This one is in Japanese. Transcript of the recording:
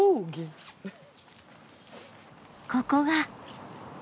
ここが。